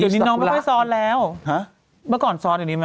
นึกออกป่ะโน้ม